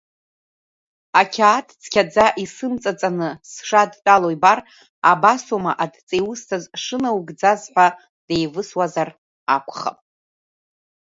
Ақьаад цқьаӡа исымҵаҵаны сшадтәалоу ибар, абасоума адҵа иусҭаз шыноугӡаз ҳәа деивысуазар акәхап.